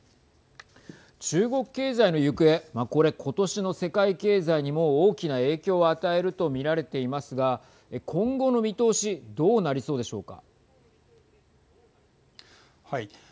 中国経済の行方これ今年の世界経済にも大きな影響を与えると見られていますが今後の見通しどうなりそうでしょうか。